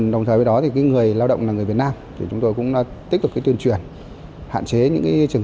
đồng thời với đó thì người lao động là người việt nam thì chúng tôi cũng tích cực tuyên truyền hạn chế những trường